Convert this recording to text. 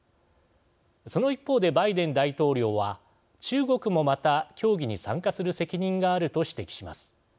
その一方で、バイデン大統領は中国もまた協議に参加する責任があると指摘します。